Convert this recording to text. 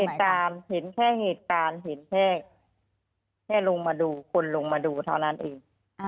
เห็นเหตุการณ์เห็นแค่เหตุการณ์เห็นแค่ลงมาดูคนลงมาดูเท่านั้นเอง